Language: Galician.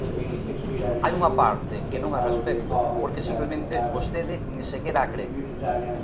Hai unha parte que non a respecto porque simplemente vostede nin sequera a cre.